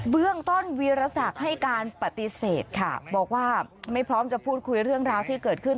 เรื่องต้นวีรศักดิ์ให้การปฏิเสธค่ะบอกว่าไม่พร้อมจะพูดคุยเรื่องราวที่เกิดขึ้น